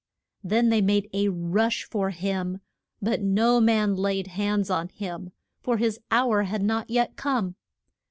Then they made a rush for him, but no man laid hands on him, for his hour had not yet come.